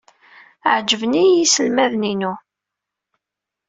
Ɛejben-iyi yiselmaden-inu.